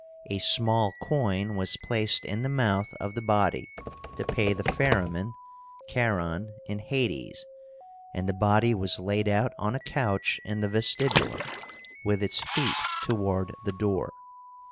A small coin was placed in the mouth of the body to pay the ferryman (Charon) in Hades, and the body was laid out on a couch in the vestibulum, with its feet toward the door.